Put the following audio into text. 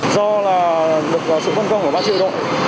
do là được sự phân công của ba triệu độ